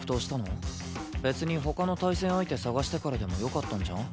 別に他の対戦相手探してからでもよかったんじゃん？